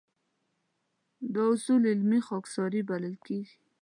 دا اصول علمي خاکساري بللی شو.